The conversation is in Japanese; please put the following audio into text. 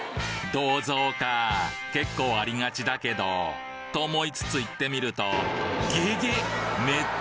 銅像か結構ありがちだけどと思いつつ行ってみるとゲゲッ！